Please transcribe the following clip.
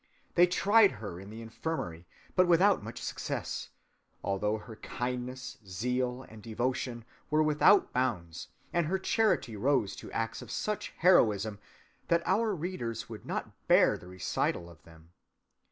They tried her in the infirmary, but without much success, although her kindness, zeal, and devotion were without bounds, and her charity rose to acts of such a heroism that our readers would not bear the recital of them.